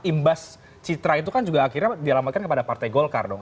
imbas citra itu kan juga akhirnya dialamatkan kepada partai golkar dong